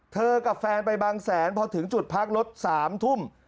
กับแฟนไปบางแสนพอถึงจุดพักรถ๓ทุ่ม